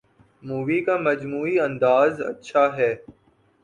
movie کا مجموعی انداز اچھا ہے